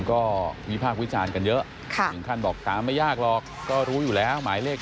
ก็วิภาควิชาญกันเยอะอย่างท่านบอกตามไม่ยากหรอกก็รู้อยู่แล้ว